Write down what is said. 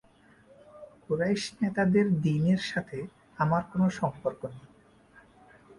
কুরাইশ নেতাদের দ্বীনের সাথে আমার কোন সম্পর্ক নেই।